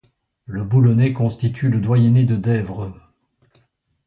Le Boulonnais constitue le doyenné de Desvres.